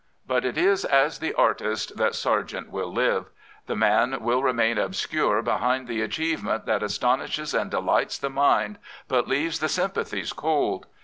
But it is as the artist that Sargent will live. The man will remain obscure behind the achievement that astonishes and delights the mind, but leaves the sym pathies cold.